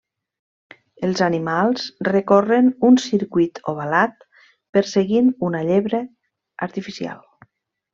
Els animals recorren un circuit ovalat perseguint una llebre artificial.